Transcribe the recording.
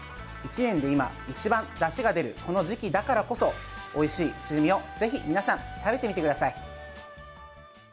１年で今、一番だしが出るこの時期だからこそおいしいシジミをぜひ皆さん食べてみてください。